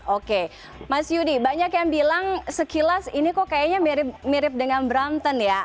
oke mas yudi banyak yang bilang sekilas ini kok kayaknya mirip dengan brompton ya